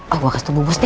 oh gua kasih temu bos deh